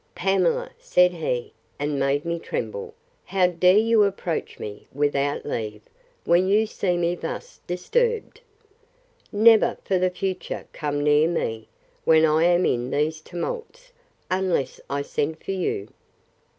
Pamela, said he, and made me tremble, How dare you approach me, without leave, when you see me thus disturbed?—Never, for the future, come near me, when I am in these tumults, unless I send for you.